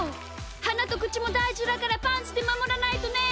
はなとくちもだいじだからパンツでまもらないとね！